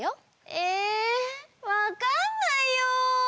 えわかんないよ！